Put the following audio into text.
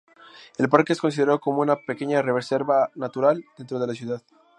El parque es considerado como una pequeña reserva natural dentro de la ciudad.